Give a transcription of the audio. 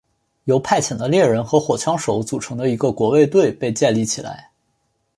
由派遣的猎人和火枪手组成的一个国卫队被建立起来。